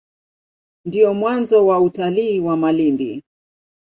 Ndio mwanzo wa utalii wa Malindi.